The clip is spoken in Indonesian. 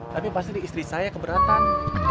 tapi pasti di istri saya keberatan